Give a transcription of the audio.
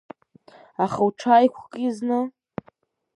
Аха уҽааиқәки зны!